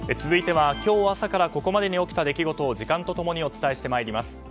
続いては今日朝からここまでに起きた出来事を時間と共にお伝えしてまいります。